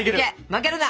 負けるな！